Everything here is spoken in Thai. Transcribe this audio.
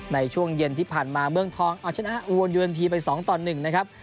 ในช่วงเย็นที่ผ่านมาเมืองทองเอาชนะอุวนยูเอ็นทีไป๒ต่อ๑นะครับ